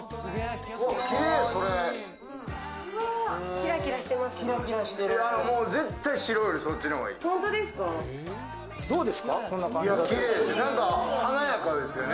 キラキラしていますね。